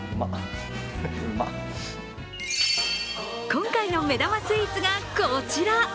今回の目玉スイーツがこちら。